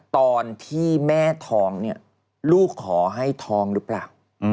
ตอนที่แม่ท้องลูกขอให้ท้องหรือเปล่า